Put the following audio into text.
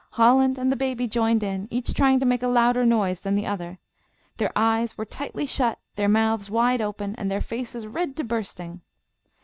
Holland and the baby joined in, each trying to make a louder noise than the other. Their eyes were tightly shut, their mouths wide open, and their faces red to bursting.